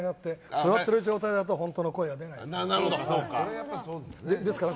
座ってる状態だと本当の声が出ないですから。